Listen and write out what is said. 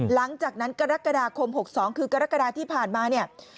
หลังจากนั้นกรกฎาคม๖๒คือกรกฎาที่ผ่านมาเนี่ย